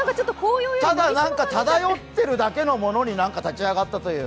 ただ、なんか漂っているものに立ち上がったという。